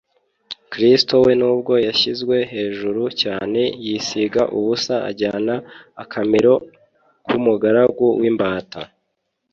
Kristo we nubwo yashyizwe hejuru cyane «yisiga ubusa, ajyana akamero k'umugaragu w'imbata,